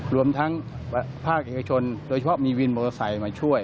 รวมทั้งภาคเอกชนโดยเฉพาะมีวินมอเตอร์ไซค์มาช่วย